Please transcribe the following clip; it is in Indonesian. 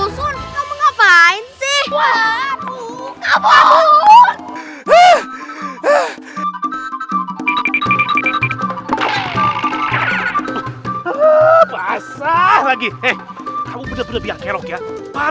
sampai jumpa di video selanjutnya